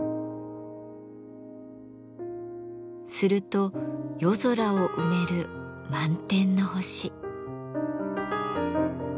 すると夜空を埋める満天の星。